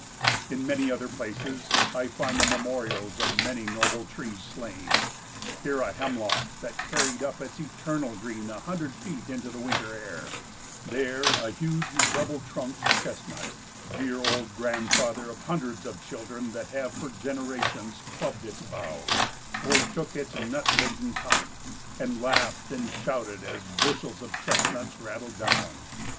In many other places I find the memorials of many noble trees slain; here a hemlock that carried up its eternal green a hundred feet into the winter air; there, a huge double trunked chestnut, dear old grandfather of hundreds of children that have for generations clubbed its boughs, or shook its nut laden top, and laughed and shouted as bushels of chestnuts rattled down.